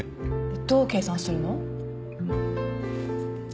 どう計算するの？